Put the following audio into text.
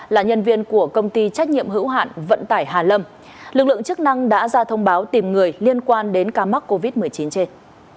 là nhân viên của công ty trách nhiệm hữu hạn vận tải hà lâm lực lượng chức năng đã ra thông báo tìm người liên quan đến ca mắc covid một mươi chín trên